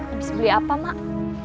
abis beli apa mak